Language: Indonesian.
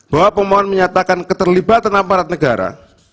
bahwa pemohon menyatakan keterlibatan aparat negara